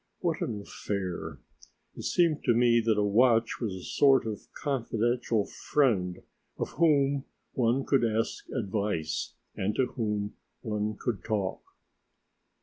What an affair! It seemed to me that a watch was a sort of confidential friend of whom one could ask advice and to whom one could talk.